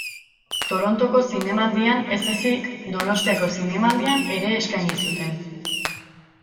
Torontoko Zinemaldian ez ezik, Donostiako Zinemaldian ere eskaini zuten.